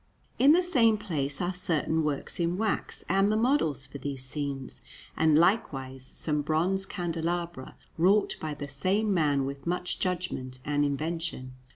In the same place are certain works in wax and the models for these scenes, and likewise some bronze candelabra wrought by the same man with much judgment and invention.